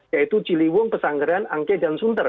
yaitu ciliwung pesangeran angke dan sunter